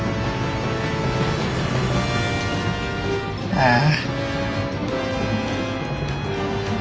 ああ。